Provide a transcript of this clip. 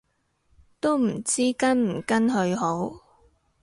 都唔知跟唔跟去好